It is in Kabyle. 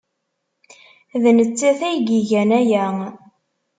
D nettat ay igan aya.